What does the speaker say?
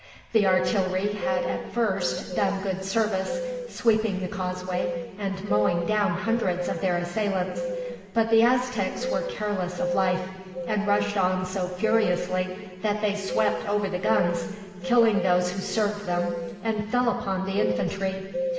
The artillery had at first done good service, sweeping the causeway and mowing down hundreds of their assailants; but the Aztecs were careless of life, and rushed on so furiously that they swept over the guns, killing those who served them, and fell upon the infantry.